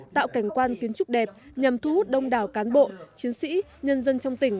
tạo cảnh quan kiến trúc đẹp nhằm thu hút đông đảo cán bộ chiến sĩ nhân dân trong tỉnh